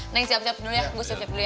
neng siap siap dulu ya gusur siap dulu ya